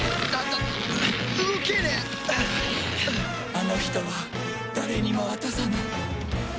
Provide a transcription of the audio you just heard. あの人は誰にも渡さない。